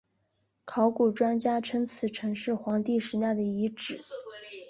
考古专家称此城是黄帝时代的遗址。